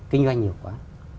kinh doanh nhiều quá